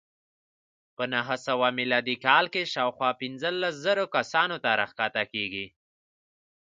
په نهه سوه میلادي کال کې شاوخوا پنځلس زره کسانو ته راښکته کېږي.